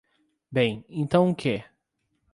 Bem, então o que?